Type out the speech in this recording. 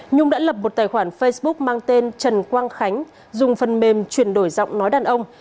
nhung đã lập một tài khoản facebook mang tên trần quang khánh dùng phần mềm chuyển đổi giọng nói đàn ông